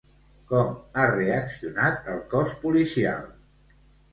Com ha reaccionat el cos policial?